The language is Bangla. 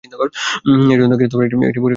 এজন্য তাঁকে একটা পরীক্ষার ব্যবস্থা করতে হয়েছিল।